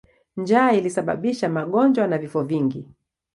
Njaa ilisababisha magonjwa na vifo vingi.